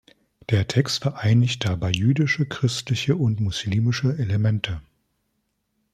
Der Text vereinigt dabei jüdische, christliche und muslimische Elemente.